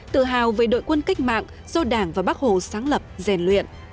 tự hào về đội quân cách mạng do đảng và bác hồ sáng lập rèn luyện